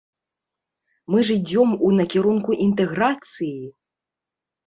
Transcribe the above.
Мы ж ідзём у накірунку інтэграцыі!